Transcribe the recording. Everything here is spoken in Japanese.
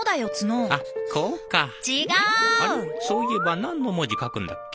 そういえば何の文字書くんだっけ？